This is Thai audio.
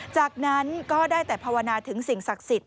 จากนั้นก็ได้แต่ภาวนาถึงสิ่งศักดิ์สิทธิ